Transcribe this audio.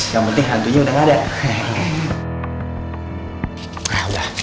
yang penting hantunya udah gak ada